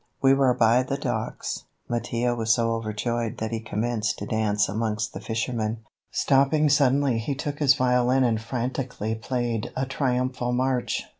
We were by the docks. Mattia was so overjoyed that he commenced to dance amongst the fishermen. Stopping suddenly he took his violin and frantically played a triumphal march.